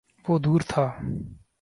وہ دور تھا۔